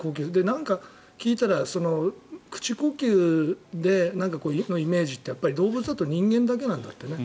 何か聞いたら口呼吸のイメージって動物だと人間だけなんだってね。